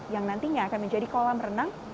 yang nantinya akan menjadi kolam renang